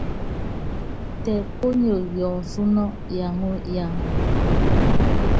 Tɛ ponyoo yoonúnú yaŋɔ yaŋɔ.